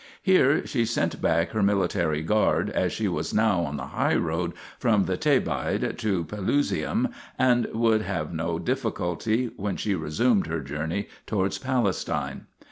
Here she sent back her military guard, as she was now on the high road from the Thebaid to Pelusium, and would have no difficulty, when she resumed her journey towards Palestine.